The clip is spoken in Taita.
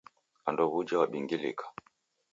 Ado w'uja wabingilika?